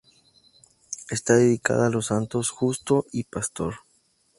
Está dedicada a los santos Justo y Pastor.